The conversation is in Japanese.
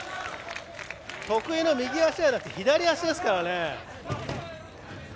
得意の右足じゃなくて左足ですからね。